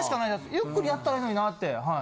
ゆっくりやったらええのになってはい。